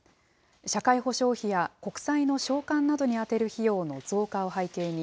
社会保障費や国債の償還などに充てる費用の増加を背景に、